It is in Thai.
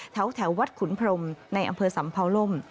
แถววัดขุนพรมในอำเภอสำเภาล่ม